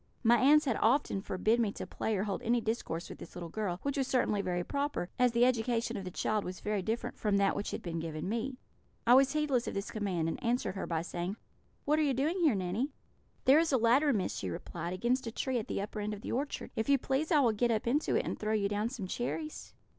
My aunts had often forbid me to play or hold any discourse with this little girl, which was certainly very proper, as the education of the child was very different from that which had been given me. I was heedless of this command, and answered her by saying: 'What are you doing here, Nanny?' "'There is a ladder, Miss,' she replied, 'against a tree at the upper end of the orchard. If you please, I will get up into it and throw you down some cherries.'